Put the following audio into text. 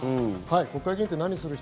国会議員って何する人？